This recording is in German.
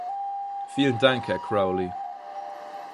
Vielen Dank Herr Crowley.